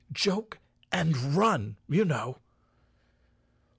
"Joke and run, you know!"